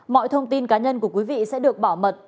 mọi thông tin cá nhân của quý vị sẽ được bảo mật